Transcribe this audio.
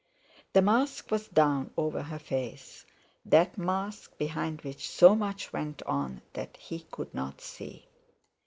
The mask was down over her face, that mask behind which so much went on that he could not see.